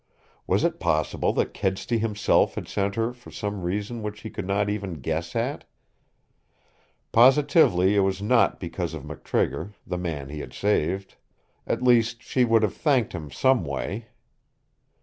Was it possible that Kedsty himself had sent her for some reason which he could not even guess at? Positively it was not because of McTrigger, the man he had saved. At least she would have thanked him in some way.